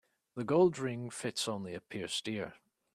The gold ring fits only a pierced ear.